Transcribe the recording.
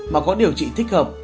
mà có điều trị thích hợp